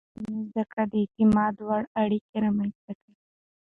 د نجونو زده کړه د اعتماد وړ اړيکې رامنځته کوي.